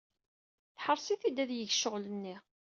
Teḥreṣ-it-id ad yeg ccɣel-nni.